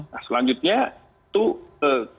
nah selanjutnya itu ksp